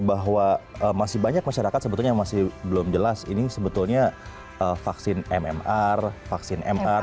bahwa masih banyak masyarakat sebetulnya yang masih belum jelas ini sebetulnya vaksin mmr vaksin mr